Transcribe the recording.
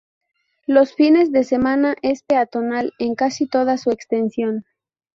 Los fines de semana, es peatonal en casi toda su extensión.